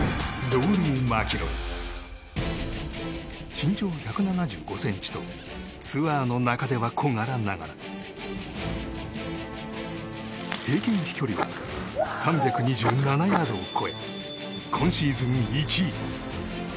身長１７５ｃｍとツアーの中では小柄ながら平均飛距離は３２７ヤードを超え今シーズン１位。